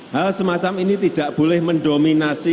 hal semacam ini tidak boleh mendominasi